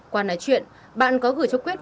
qua nói chuyện bạn có gửi cho quyết